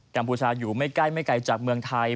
กมชาอยู่ไม่ใกล้ไม่ไกลจากเมืองไทย